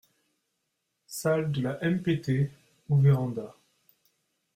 Salle de la MPT ou véranda.